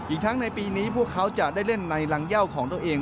อีกทั้งในปีนี้พวกเขาจะได้เล่นในรังเย่าของตัวเอง